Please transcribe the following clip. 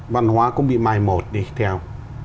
văn hóa cũng bị mài một đi theo